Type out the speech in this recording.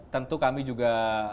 tentu kami juga